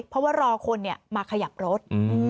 เพราะว่ารอคนมาขยับรถ